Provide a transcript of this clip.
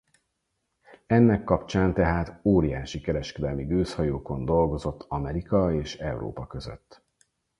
Ennek kapcsán tehát óriási kereskedelmi gőzhajókon dolgozott Amerika és Európa között.